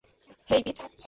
হেই, পিট।